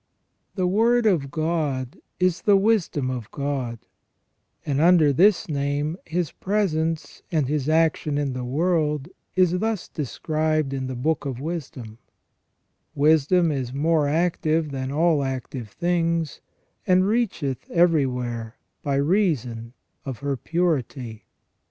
The Word of God is the Wisdom of God, and under this name His presence and His action in the world is thus described in the Book of Wisdom :" Wisdom is more active than all active things : and reacheth everywhere by reason of her purity.